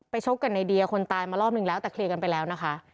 ชกกันในเดียคนตายมารอบนึงแล้วแต่เคลียร์กันไปแล้วนะคะ